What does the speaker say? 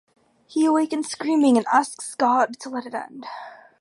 He awakens screaming and asks God to let it end.